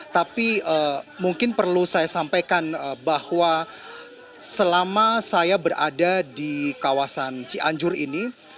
tapi mungkin perlu saya sampaikan bahwa selama saya berada di kawasan cianjur ini